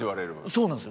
そうなんです。